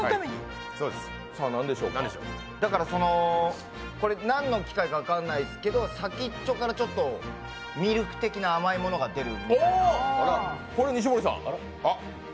だからなんの機械か分からないですけど先っちょからちょっとミルク的な甘いものが出る。